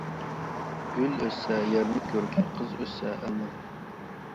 گۈل ئۆسسە يەرنىڭ كۆركى، قىز ئۆسسە ئەلنىڭ.